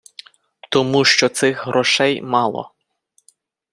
Тому що цих грошей мало.